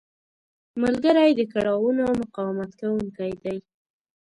ملګری د کړاوونو مقاومت کوونکی دی